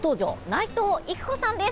内藤育子さんです。